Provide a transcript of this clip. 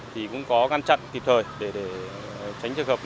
thì cũng có ngăn chặn kịp thời để tránh trường hợp